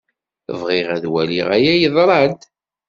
Bɣiɣ ad waliɣ aya yeḍra-d.